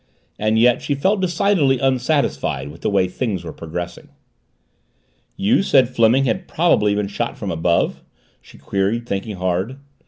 And yet she felt decidedly unsatisfied with the way things were progressing. "You said Fleming had probably been shot from above?" she queried, thinking hard.